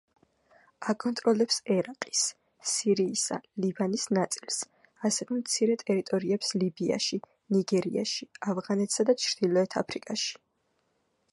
აკონტროლებს ერაყის, სირიისა, ლიბანის ნაწილს, ასევე მცირე ტერიტორიებს ლიბიაში, ნიგერიაში, ავღანეთსა და ჩრდილოეთ აფრიკაში.